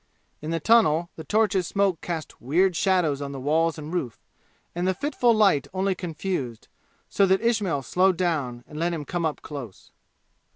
In the tunnel the torch's smoke cast weird shadows on walls and roof, and the fitful light only confused, so that Ismail slowed down and let him come up close.